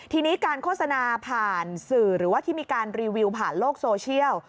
ทีนี้การโฆษณาผ่านสื่อหรือว่าที่มีการรีวิวผ่านโลกโซเชียล